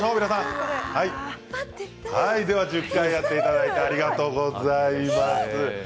１０回やっていただいてありがとうございます。